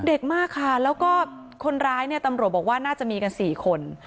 เด็กมากค่ะแล้วก็คนร้ายเนี่ยตำรวจบอกว่าน่าจะมีกัน๔คน